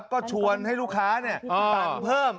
ก็ชวนให้ลูกค้าเนี่ยต่ำเพิ่ม